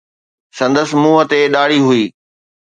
سندس منهن تي ڏاڙهي هئي